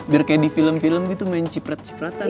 biar kayak di film film gitu main ciprat cipratan